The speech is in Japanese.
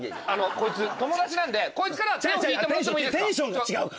こいつ友達なんでこいつからは手を引いてもらってもいいですか。